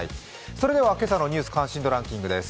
それでは今朝の「ニュース関心度ランキング」です。